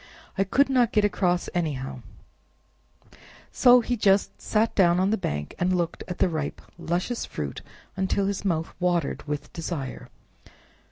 I could not get across anyhow, so he just sat down on the bank and looked at the ripe, luscious fruit until his mouth watered with desire.